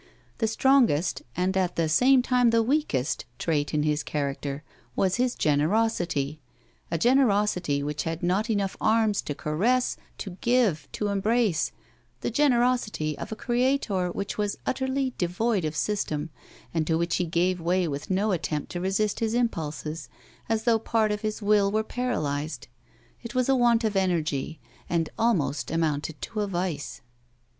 The strongest, and at the same time the weakest, trait in his character was his generosity ; a gener osity which had not enough arms to caress, to give, to embrace ; the generosity of a creator which was utterly devoid of system, and to which he gave way with no attempt to resist his impulses, as though part of his will were paralysed ; it was a want of energy, and almost amounted to a vice.